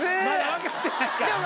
分かってない。